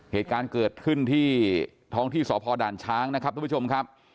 เหตุการณ์เกิดขึ้นที่ท้องที่สพด่านช้างนะครับทุกผู้ชมครับ